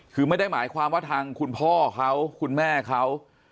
คือไม่ได้หมายความว่าทางคุณพ่อเขาคุณแม่เขา